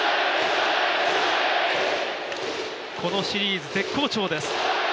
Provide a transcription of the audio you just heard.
このシリーズ、絶好調です。